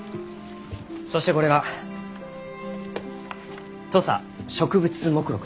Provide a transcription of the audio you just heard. そしてこれが土佐植物目録ですき。